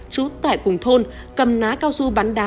trú tại cùng thôn cầm ná cao su bắn đá